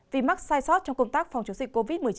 vì mắc sai sót trong công tác phòng chống dịch covid một mươi chín